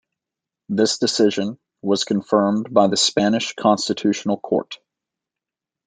This decision was confirmed by the Spanish Constitutional Court.